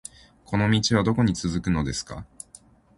この道はどこに続くのですか